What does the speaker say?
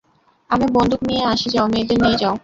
আমি বন্দুক নিয়ে আসি যাও মেয়েদের নিয়ে যাও।